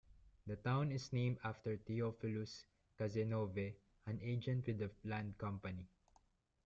The town is named after Theophilus Cazenove, an agent with the land company.